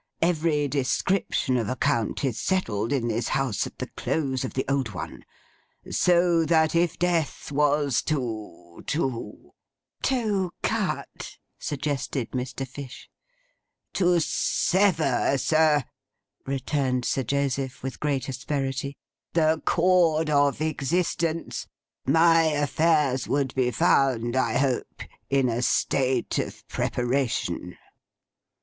Every description of account is settled in this house at the close of the old one. So that if death was to—to—' 'To cut,' suggested Mr. Fish. 'To sever, sir,' returned Sir Joseph, with great asperity, 'the cord of existence—my affairs would be found, I hope, in a state of preparation.